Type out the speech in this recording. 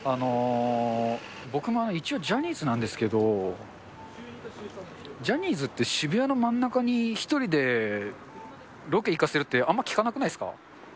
僕も一応、ジャニーズなんですけど、ジャニーズって渋谷の真ん中に１人でロケ行かせるってあんま聞かなくないですか。